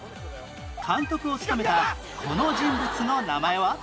監督を務めたこの人物の名前は？